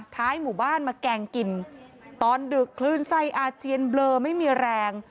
หมู่บ้านมาแกงกินตอนดึกคลื่นไส้อาเจียนเบลอไม่มีแรง